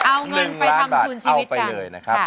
๑ล้านบาทเอาไปเลยนะครับ